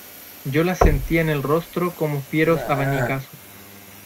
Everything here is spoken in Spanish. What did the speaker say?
yo las sentía en el rostro como fieros abanicazos.